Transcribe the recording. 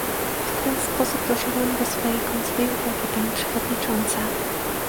W ten sposób doszedłem do swojej końcowej uwagi, pani przewodnicząca